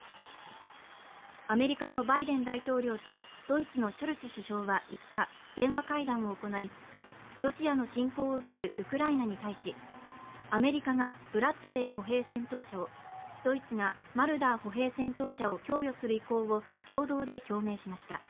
アメリカのバイデン大統領とドイツのショルツ首相は５日、電話会談を行い、ロシアの侵攻を受けるウクライナに対し、アメリカがブラッドレー歩兵戦闘車をドイツがマルダー歩兵戦闘車を供与する意向を共同で表明しました。